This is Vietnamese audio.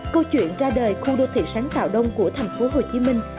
câu chuyện ra đời khu đô thị sáng tạo đông của thành phố hồ chí minh